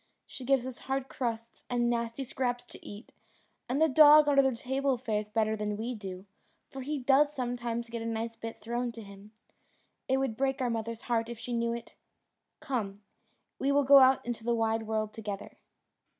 She gives us hard crusts and nasty scraps to eat, and the dog under the table fares better than we do, for he does sometimes get a nice bit thrown to him. It would break our mother's heart if she knew it! Come, we will go out into the wide world together."